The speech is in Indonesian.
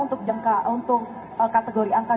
untuk jangka untuk kategori angka dua lima itu